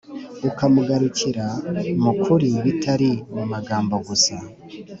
ukamugarukira mu ukuri bitari mu magambo gusa.